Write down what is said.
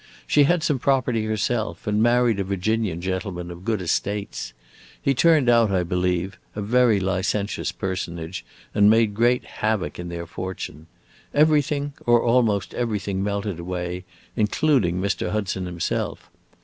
She had some property herself, and married a Virginian gentleman of good estates. He turned out, I believe, a very licentious personage, and made great havoc in their fortune. Everything, or almost everything, melted away, including Mr. Hudson himself.